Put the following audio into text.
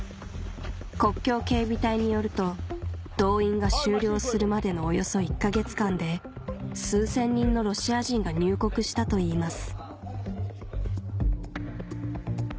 国境警備隊によると動員が終了するまでのおよそ１か月間で数千人のロシア人が入国したといいます